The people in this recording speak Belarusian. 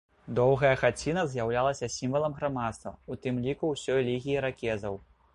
Доўгая хаціна з'яўлялася сімвалам грамадства, у тым ліку ўсёй лігі іракезаў.